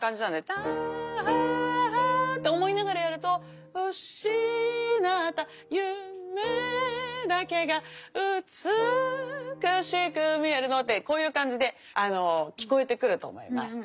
ターハーハーと思いながらやるとうしなったゆめだけがうつくしくみえるのはってこういう感じであの聞こえてくると思います。